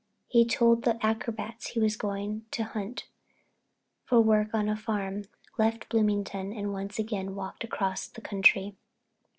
He told the acrobats he was going to hunt for work on a farm, left Bloomington and once again walked across the country.